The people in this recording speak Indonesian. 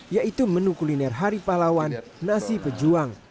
yaitu menu kuliner hari pahlawan nasi pejuang